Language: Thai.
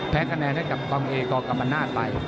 แพ้คะแนนให้ควาลงเอจกับมันหน้าไต